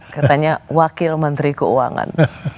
katanya wakil menteri keuangan